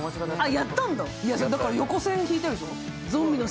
だから横線引いてあるでしょ？